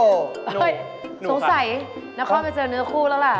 สงสัยนครไปเจอเนื้อคู่แล้วล่ะ